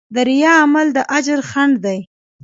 د ریا عمل د اجر خنډ دی.